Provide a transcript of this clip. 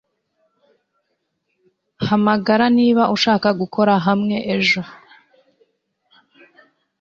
Hamagara niba ushaka gukorera hamwe ejo.